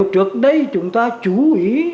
trước đây chúng ta chú ý